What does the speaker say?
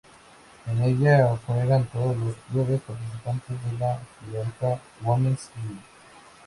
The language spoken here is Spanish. En ella juegan todos los clubes participantes de la Gibraltar Women's League.